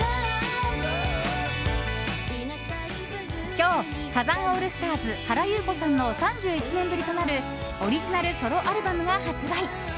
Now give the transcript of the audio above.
今日、サザンオールスターズ原由子さんの３１年ぶりとなるオリジナルソロアルバムが発売。